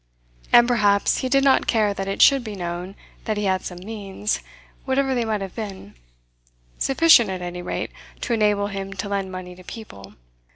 And perhaps he did not care that it should be known that he had some means, whatever they might have been sufficient, at any rate, to enable him to lend money to people.